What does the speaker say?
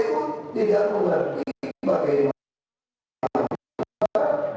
terus ide untuk mengayunkan